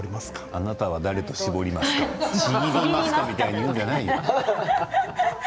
あなたは誰と契りますかみたいに言うんじゃないよ。